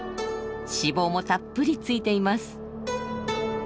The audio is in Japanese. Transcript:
脂肪もたっぷりついています。